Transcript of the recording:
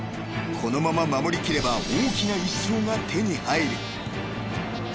このまま守りきれば大きな１勝が手に入る］